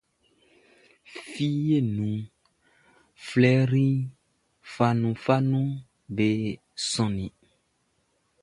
Fieʼn nunʼn, flɛri fanunfanunʼm be sɔnnin.